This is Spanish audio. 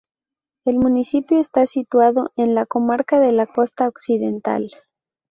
El municipio está situado en la comarca de la costa occidental.